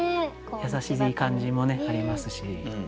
優しい感じもありますし。